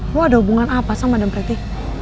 lu ada hubungan apa sama madam pretty